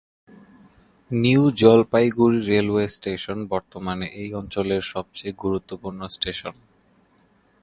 New Jalpaiguri railway station বর্তমানে এই অঞ্চলের সবচেয়ে গুরুত্বপূর্ণ স্টেশন।